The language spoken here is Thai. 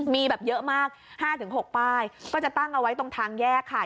มีแบบเยอะมาก๕๖ป้ายก็จะตั้งเอาไว้ตรงทางแยกค่ะ